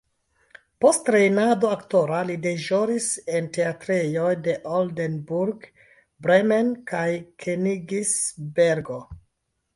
Post trejnado aktora li deĵoris en teatrejoj de Oldenburg, Bremen kaj Kenigsbergo.